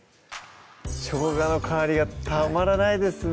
しょうがの香りがたまらないですね